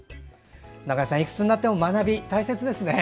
中江さん、いくつになっても学び、大切ですね。